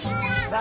何？